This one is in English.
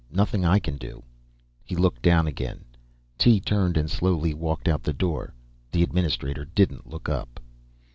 Nothing I can do." He looked down again. Tee turned and slowly walked out the door. The administrator didn't look up.